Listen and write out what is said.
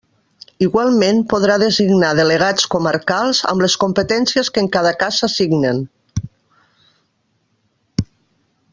Igualment podrà designar delegats comarcals, amb les competències que en cada cas s'assignen.